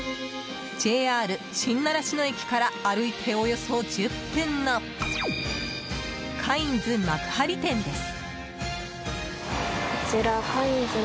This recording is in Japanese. ＪＲ新習志野駅から歩いておよそ１０分のカインズ幕張店です。